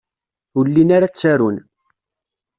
Ur llin ara ttarun.